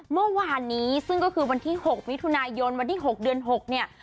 เมื่อวานนี้ซึ่งก็คือวันที่๖มิถุนายนวันที่๖เดือน๖เนี่ย